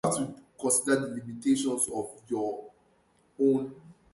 He couldn't even stand up without assistance.